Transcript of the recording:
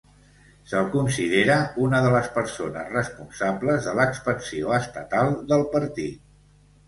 Se'l considera una de les persones responsables de l'expansió estatal del partit.